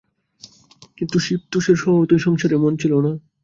কিন্তু শিবতোষের স্বভাবতই সংসারে মন ছিল না।